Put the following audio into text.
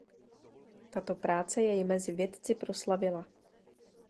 Tato práce jej mezi vědci proslavila.